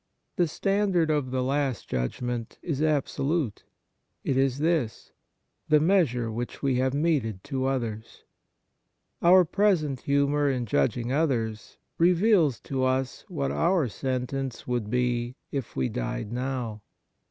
The standard of the last judgment is absolute. It is this — the measure which we have meted to others. Our present humour in judging others reveals to us what our sentence would be if we died now.